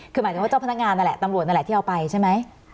คือหมายถึงว่าเจ้าพนักงานนั่นแหละตำรวจนั่นแหละที่เอาไปใช่ไหม